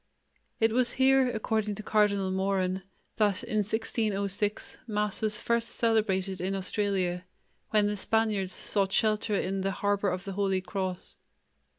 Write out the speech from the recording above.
It was here, according to Cardinal Moran, that in 1606, Mass was first celebrated in Australia, when the Spaniards sought shelter in the "Harbor of the Holy Cross."